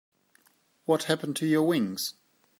What happened to your wings?